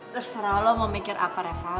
terserah lo mau mikir apa reval